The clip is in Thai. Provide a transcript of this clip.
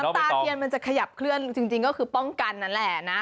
ตาเทียนมันจะขยับเคลื่อนจริงก็คือป้องกันนั่นแหละนะ